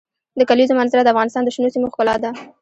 د کلیزو منظره د افغانستان د شنو سیمو ښکلا ده.